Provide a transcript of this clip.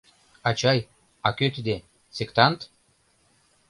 — Ачай, а кӧ тиде — сектант?